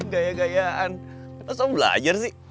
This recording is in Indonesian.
gaya gayaan lo sapa belajar sih